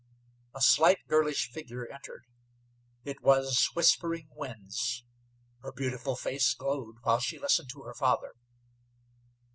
A slight, girlish figure entered. It was Whispering Winds. Her beautiful face glowed while she listened to her father.